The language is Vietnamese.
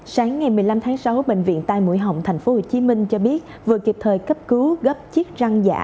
sáng ngày một mươi năm tháng sáu bệnh viện tai mũi họng tp hcm cho biết vừa kịp thời cấp cứu gấp chiếc răng giả